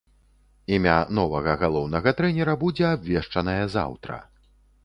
Імя новага галоўнага трэнера будзе абвешчанае заўтра.